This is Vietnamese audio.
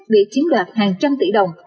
biệt chiếm đoạt hàng trăm tỷ đồng